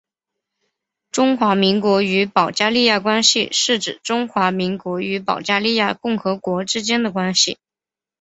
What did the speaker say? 中华民国与保加利亚关系是指中华民国与保加利亚共和国之间的关系。